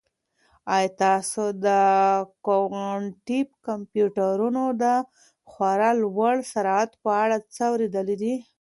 آیا تاسو د کوانټم کمپیوټرونو د خورا لوړ سرعت په اړه څه اورېدلي؟